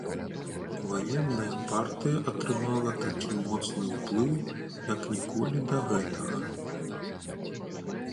Ваенная партыя атрымала такі моцны ўплыў, як ніколі да гэтага.